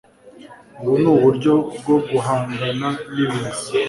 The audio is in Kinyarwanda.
Ubu ni uburyo bwo guhangana n’ibiza